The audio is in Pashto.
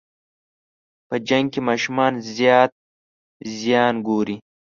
په جنګ کې ماشومان زیات زیان ګوري.